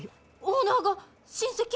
オーナーが親戚？